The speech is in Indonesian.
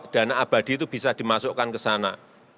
dana abadi itu bisa dimasukkan ke sana